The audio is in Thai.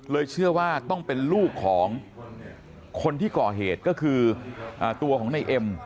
เชื่อว่าต้องเป็นลูกของคนที่ก่อเหตุก็คือตัวของในเอ็ม